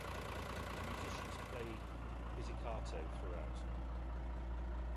The musicians play pizzicato throughout.